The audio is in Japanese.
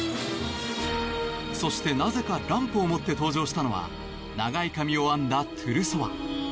そして、なぜかランプを持って登場したのは長い髪を編んだトゥルソワ。